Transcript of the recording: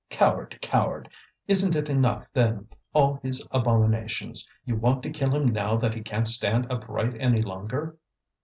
coward! coward! Isn't it enough, then, all these abominations? You want to kill him now that he can't stand upright any longer!"